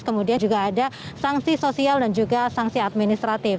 kemudian juga ada sanksi sosial dan juga sanksi administratif